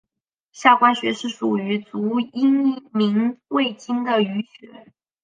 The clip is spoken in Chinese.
下关穴是属于足阳明胃经的腧穴。